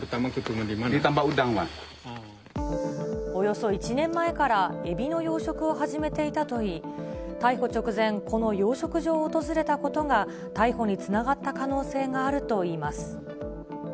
およそ１年前からエビの養殖を始めていたといい、逮捕直前、この養殖場を訪れたことが、逮捕につながった可能性があるといいます。